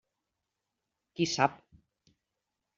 Qui sap!